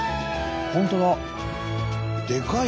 本当だ。